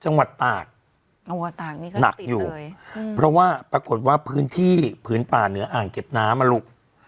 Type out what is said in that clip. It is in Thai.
จังหวัดตากหนักอยู่เพราะว่าปรากฏว่าพื้นที่พื้นป่าเหนืออ่างเก็บน้ำอ่ะลูก